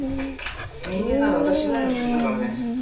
人間なら私ぐらいの年だからね。